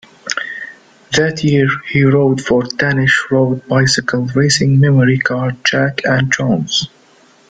That year, he rode for Danish road bicycle racing Memory Card-Jack and Jones.